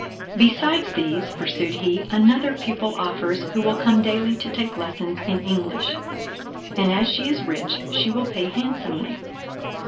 "Besides these," pursued he, "another pupil offers, who will come daily to take lessons in English; and as she is rich, she will pay handsomely.